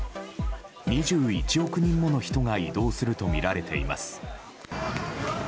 ２１億人もの人が移動するとみられています。